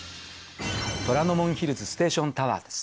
虎ノ門ヒルズステーションタワーです。